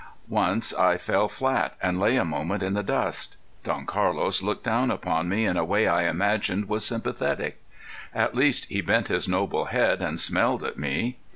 Once I fell flat and lay a moment in the dust. Don Carlos looked down upon me in a way I imagined was sympathetic. At least he bent his noble head and smelled at me.